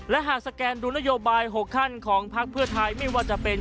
และหากสแกนดูนโยบาย๖ขั้นของพักเพื่อไทยไม่ว่าจะเป็น